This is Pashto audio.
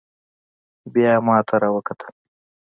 بيا به يې ما ته راوکتل.